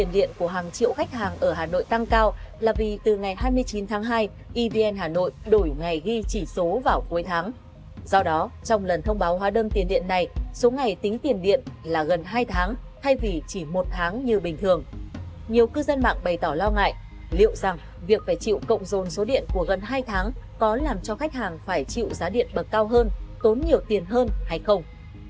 liệu rằng việc phải chịu cộng dồn số điện của gần hai tháng có làm cho khách hàng phải chịu giá điện bậc cao hơn tốn nhiều tiền hơn hay không